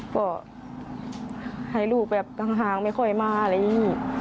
ก็ให้ลูกแบบต่างไม่ค่อยมาอะไรอย่างนี้